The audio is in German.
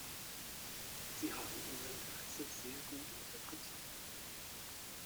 Sie haben unser Interesse sehr gut interpretiert.